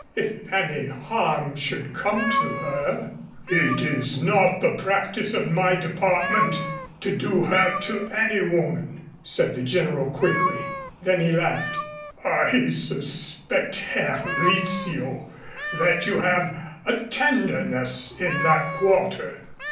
If any harm should come to her " "It is not the practice of my department to do hurt to women," said the General quickly. Then he laughed. "I suspect, Herr Rizzio, that you have a tenderness in that quarter."